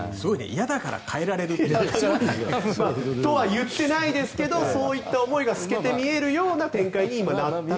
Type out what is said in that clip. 嫌だから変えられるって。とは言っていないですけどそういった思いが透けて見えるような展開になったと。